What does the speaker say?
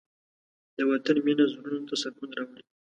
د وطن مینه زړونو ته سکون راوړي.